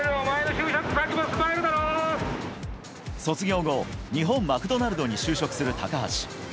卒業後、日本マクドナルドに就職する高橋。